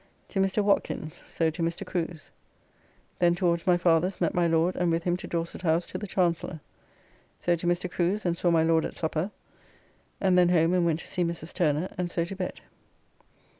To Mr. Watkins, so to Mr. Crew's. Then towards my father's met my Lord and with him to Dorset House to the Chancellor. So to Mr. Crew's and saw my Lord at supper, and then home, and went to see Mrs. Turner, and so to bed.